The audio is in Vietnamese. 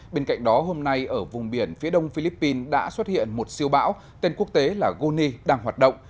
bên cạnh đó hôm nay ở vùng biển phía đông philippines đã xuất hiện một siêu bão tên quốc tế là goni đang hoạt động